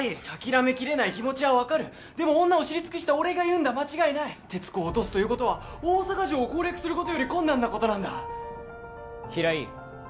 諦めきれない気持ちは分かるでも女を知り尽くした俺が言うんだ間違いない鉄子を落とすということは大阪城を攻略することより困難なことなんだ平井